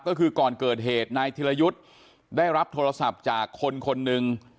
ก็คือก่อนเกิดเหตุนายธิรยุทธ์ได้รับโทรศัพท์จากคนคนหนึ่ง